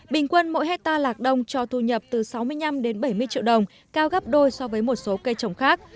bình quân mỗi hectare lạc đông cho thu nhập từ sáu mươi năm đến bảy mươi triệu đồng cao gấp đôi so với một số cây trồng khác